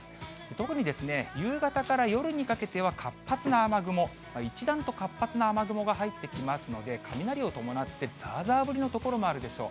特に夕方から夜にかけては活発な雨雲、一段と活発な雨雲が入ってきますので、雷を伴って、ざーざー降りの所もあるでしょう。